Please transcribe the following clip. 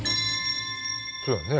そうだよね。